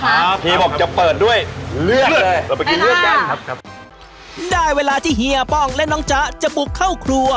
ครับพี่บอกจะเปิดด้วยเลือกเลยเราไปกินเลือกกันครับครับได้เวลาที่เฮียป้องและน้องจ๊ะจะบุกเข้าครัว